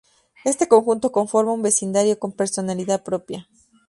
Este conjunto conforma un vecindario con personalidad propia.